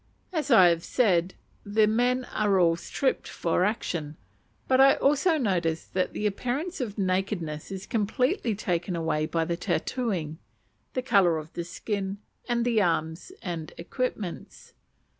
As I have said, the men are all stripped for action, but I also notice that the appearance of nakedness is completely taken away by the tattooing, the colour of the skin, and the arms and equipments.